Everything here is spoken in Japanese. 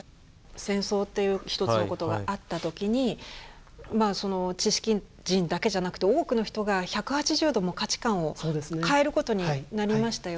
戦争っていう一つのことがあった時にまあその知識人だけじゃなくて多くの人が１８０度価値観を変えることになりましたよね。